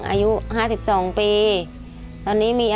อายุ๕๒ปี